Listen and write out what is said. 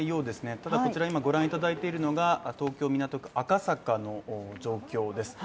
ただこちら御覧にただいているのが東京・港区赤坂の状況です。